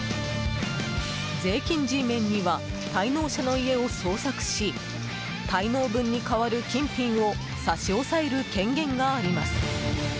税金Ｇメンには滞納者の家を捜索し滞納分に代わる金品を差し押さえる権限があります。